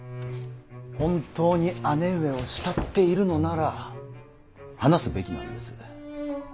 本当に姉上を慕っているのなら話すべきなんです。